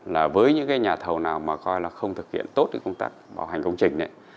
là với những cái nhà thầu nào mà coi là không thực hiện tốt công tác bảo hành công trình đấy